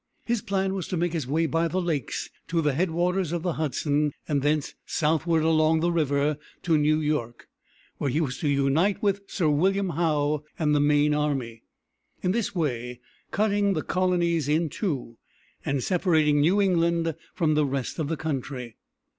His plan was to make his way by the lakes to the head waters of the Hudson, and thence southward along the river to New York, where he was to unite with Sir William Howe and the main army; in this way cutting the colonies in two, and separating New England from the rest of the country.